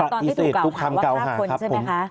ตอนที่ถูกเกาหาว่าฆ่าคนใช่ไหมคะโอเคครับ